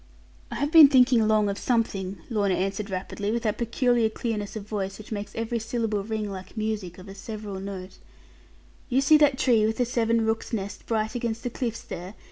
'I have been thinking long of something,' Lorna answered rapidly, with that peculiar clearness of voice which made every syllable ring like music of a several note, 'you see that tree with the seven rooks' nests bright against the cliffs there?